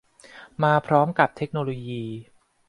มาพร้อมกับเทคโนโลยี